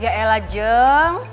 ya ella jeng